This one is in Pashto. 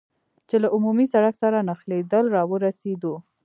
چې له عمومي سړک سره نښلېدل را ورسېدو.